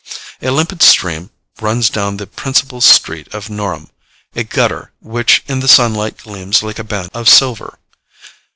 A limpid stream runs down the principal street of Norham a gutter, which in the sunlight gleams like a band of silver.